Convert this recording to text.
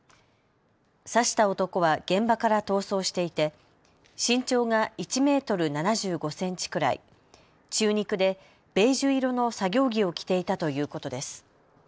刺した男は現場から逃走していて身長が１メートル７５センチくらい、中肉でベージュ色の作業着を着ていたということです。